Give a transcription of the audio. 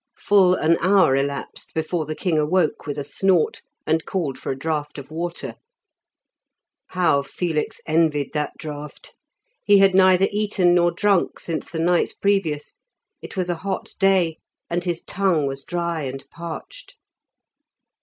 Full an hour elapsed before the king awoke with a snort and called for a draught of water. How Felix envied that draught! He had neither eaten nor drunk since the night previous; it was a hot day, and his tongue was dry and parched.